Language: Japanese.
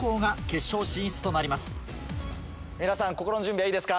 皆さん心の準備はいいですか？